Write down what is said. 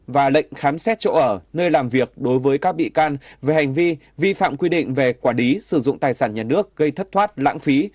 và lệnh khám xét chỗ ở nơi làm việc đối với các bị can về hành vi vi phạm quy định về quản lý sử dụng tài sản nhà nước gây thất thoát lãng phí